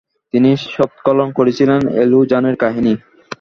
তিনি সংকলন করেছিলেন এলু জানের কাহিনী।